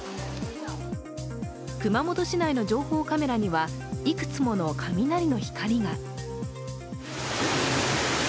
熊本市内の情報カメラにはいくつもの雷の光が。